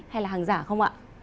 hay là hàng giả không ạ